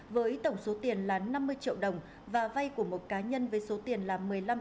với tổng số tiền là năm mươi triệu đồng và vay của một cá nhân với số tiền là một mươi năm triệu đồng